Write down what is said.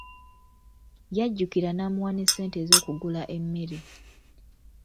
Yajjukira n'amuwa ne ssente ez'okugula emmere.